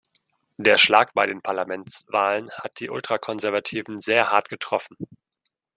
Der Schlag bei den Parlamentswahlen hat die Ultrakonservativen sehr hart getroffen.